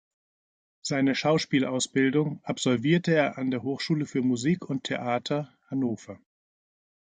Seine Schauspielausbildung absolvierte er an der Hochschule für Musik und Theater Hannover.